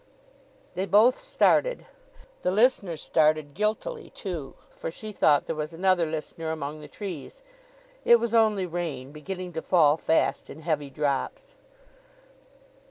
They both started. The listener started, guiltily, too; for she thought there was another listener among the trees. It was only rain, beginning to fall fast, in heavy drops.